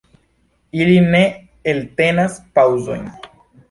Ili ne eltenas paŭzojn.